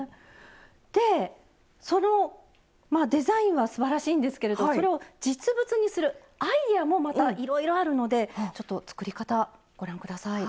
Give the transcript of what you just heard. でそのデザインはすばらしいんですけれどそれを実物にするアイデアもまたいろいろあるのでちょっと作り方ご覧下さい。